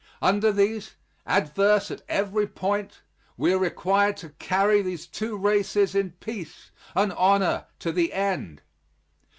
Under these, adverse at every point, we are required to carry these two races in peace and honor to the end.